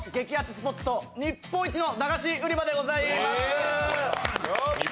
スポット日本一のだがし売場でございます。